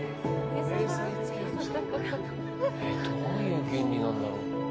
どういう原理なんだろう。